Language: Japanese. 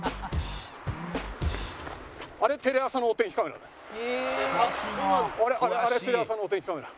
あれテレ朝のお天気カメラ。